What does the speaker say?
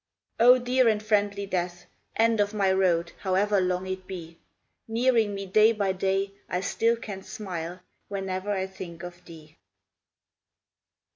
Oh, dear and friendly Death, End of my road, however long it be, Hearing me day by day, I still can smile Whene er I think of thee